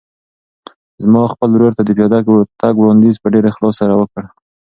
ما خپل ورور ته د پیاده تګ وړاندیز په ډېر اخلاص سره وکړ.